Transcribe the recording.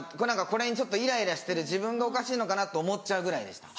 これにちょっとイライラしてる自分がおかしいのかな？と思っちゃうぐらいでした。